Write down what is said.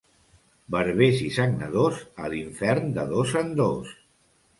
Barbers i sagnadors, a l'infern de dos en dos.